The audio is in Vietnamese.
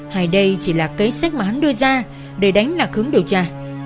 hay đây chỉ là cái sách mà hắn đưa ra để đánh lạc hướng điều tra